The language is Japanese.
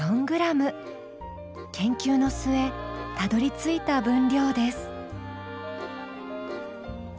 研究の末たどりついた分量です。